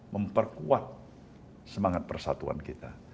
memperkuat semangat persatuan kita